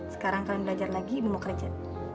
sekarang kalian belajar lagi mau kerja